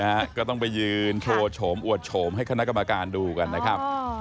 นะฮะก็ต้องไปยืนโชว์โฉมอวดโฉมให้คณะกรรมการดูกันนะครับ